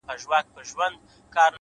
وخت د غفلت زیان نه پټوي’